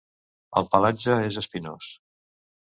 El pelatge és espinós.